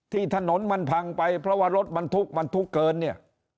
ที่ถนนมันพังไปเพราะว่ารถบรรทุกมันทุกเกินเนี่ย